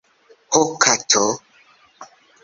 Ho kato!